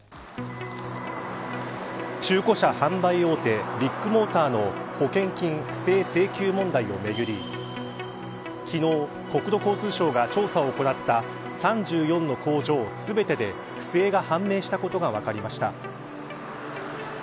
中古車販売大手ビッグモーターの保険金不正請求問題をめぐり昨日、国土交通省が調査を行った３４の工場、全てで不正が判明したことが分かりました。